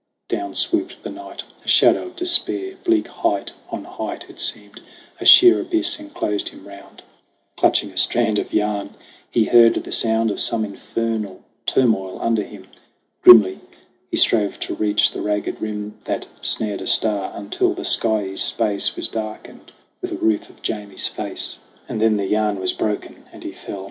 Down swooped the night, A shadow of despair. Bleak height on height, It seemed, a sheer abyss enclosed him round. Clutching a strand of yarn, he heard the sound Of some infernal turmoil under him. Grimly he strove to reach the ragged rim That snared a star, until the skyey space Was darkened with a roof of Jamie's face, 56 SONG OF HUGH GLASS And then the yarn was broken, and he fell.